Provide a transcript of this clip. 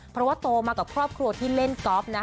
เพราะว่าโตมากับครอบครัวที่เล่นกอล์ฟนะ